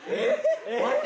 マジ？